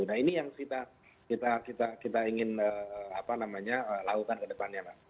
nah ini yang kita ingin lakukan ke depannya mas